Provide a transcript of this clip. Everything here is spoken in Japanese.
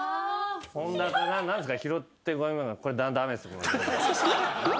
本田君何ですか？